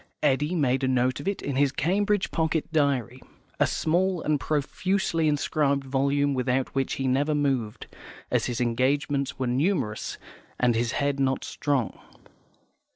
Eddy made a note of it in his Cambridge Pocket Diary, a small and profusely inscribed volume without which he never moved, as his engagements were numerous, and his head not strong.